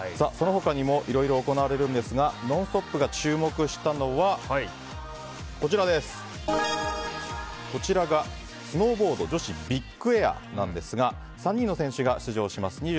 その他にもいろいろ行われるんですが「ノンストップ！」が注目したのはスノーボード女子ビッグエアですが３人の選手が出場します。